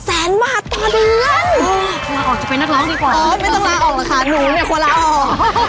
เอ้าไม่ต้องล่างออกแหละค่ะหนูอย่าควรล่างออก